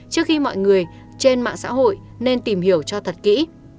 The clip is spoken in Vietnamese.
trước khi mọi người trên mạng xã hội nên tìm hiểu cho thật kỹ